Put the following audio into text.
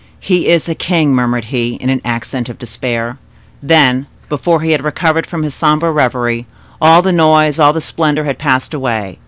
"He is a king!" murmured he, in an accent of despair. Then, before he had recovered from his sombre reverie, all the noise, all the splendor, had passed away.